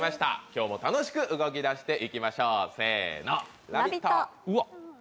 今日も楽しく動きだしていきましょうせーのラヴィット！